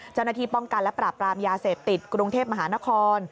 เจ้าหน้าที่ป้องกันและปราบปรามยาเสพติดกรุงเทพมหานคร